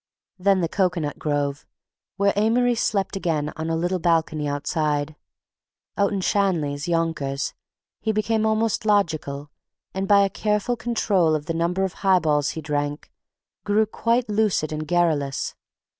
... Then the Cocoanut Grove, where Amory slept again on a little balcony outside. Out in Shanley's, Yonkers, he became almost logical, and by a careful control of the number of high balls he drank, grew quite lucid and garrulous.